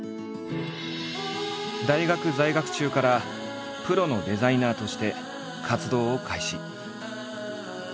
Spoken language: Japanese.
大学在学中からプロのデザイナーとして活動を開始。